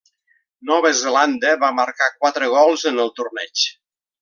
Nova Zelanda va marcar quatre gols en el torneig.